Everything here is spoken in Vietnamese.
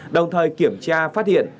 đồng thời kiểm tra phát hiện